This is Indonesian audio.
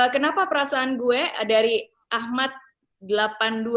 kenapa perasaan gue dari ahmad delapan puluh dua